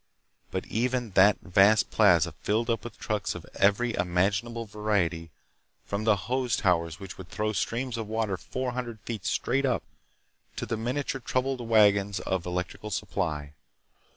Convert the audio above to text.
But even that vast plaza filled up with trucks of every imaginable variety, from the hose towers which could throw streams of water four hundred feet straight up, to the miniature trouble wagons of Electricity Supply.